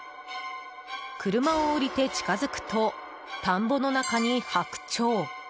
車を降りて近づくと田んぼの中にハクチョウ。